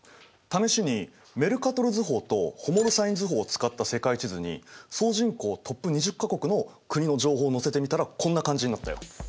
試しにメルカトル図法とホモロサイン図法を使った世界地図に総人口トップ２０か国の国の情報を載せてみたらこんな感じになったよ。